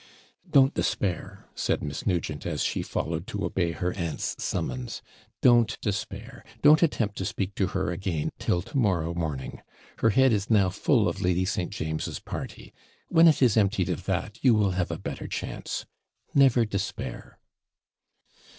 'Don't despair,' said Miss Nugent, as she followed to obey her aunt's summons. 'Don't despair; don't attempt to speak to her again till to morrow morning. Her head is now full of Lady St. James's party. When it is emptied of that, you will have a better chance. Never despair.'